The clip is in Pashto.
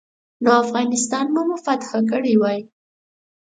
نو افغانستان به مو فتح کړی وای.